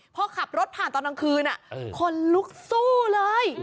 พอขับรถผ่านตอนกลางคืนคนลุกสู้เลย